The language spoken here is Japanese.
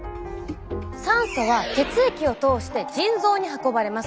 酸素は血液を通して腎臓に運ばれます。